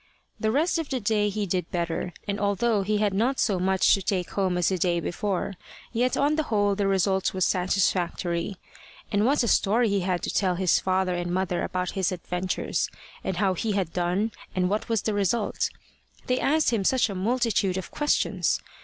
The rest of the day he did better, and, although he had not so much to take home as the day before, yet on the whole the result was satisfactory. And what a story he had to tell his father and mother about his adventures, and how he had done, and what was the result! They asked him such a multitude of questions!